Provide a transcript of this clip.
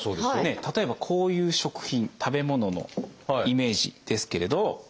例えばこういう食品食べ物のイメージですけれど。